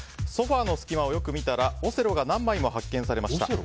ソファの隙間をよく見たらオセロが何枚も発見されました。